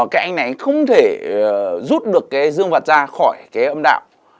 cái anh này anh không thể rút được cái dương vật ra khỏi cái âm đạo